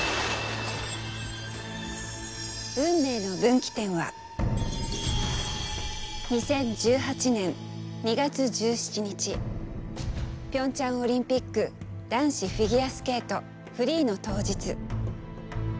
運命の分岐点はピョンチャンオリンピック男子フィギュアスケートフリーの当日。